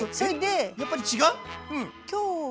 えっやっぱり違う？